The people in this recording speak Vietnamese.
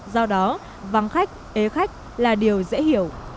do đó vắng khách ế khách là điều dễ hiểu